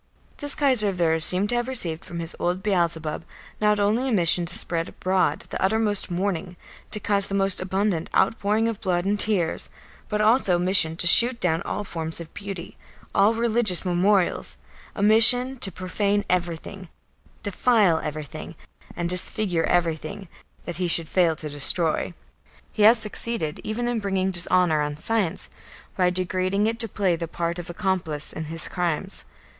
This Kaiser of theirs seems to have received from his old Beelzebub not only a mission to spread abroad the uttermost mourning, to cause the most abundant outpouring of blood and tears, but also a mission to shoot down all forms of beauty, all religious memorials; a mission to profane everything, defile everything, and disfigure everything that he should fail to destroy. He has succeeded even in bringing dishonour on science, by degrading it to play the part of accomplice in his crimes.